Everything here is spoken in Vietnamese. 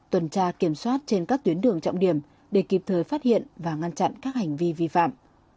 tuần tra kiểm soát trên các tuyến đường trọng điểm để kịp thời phát hiện và ngăn chặn các hành vi vi phạm